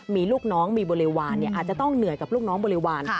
มีลูกน้องมีบริวารอาจจะต้องเหนื่อยกับลูกน้องบริวาร